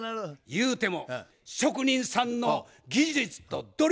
ゆうても職人さんの技術と努力の結晶！